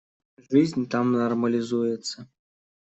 Жизнь там нормализуется.